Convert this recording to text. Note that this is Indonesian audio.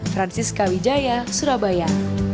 francis kawijaya surabaya